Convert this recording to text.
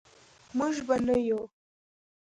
موږ به نه یو.